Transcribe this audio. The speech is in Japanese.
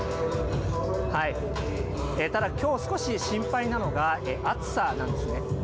ただきょう、少し心配なのが、暑さなんですね。